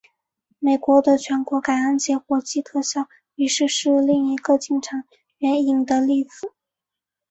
美国的全国感恩节火鸡特赦仪式是另一个经常援引的例子。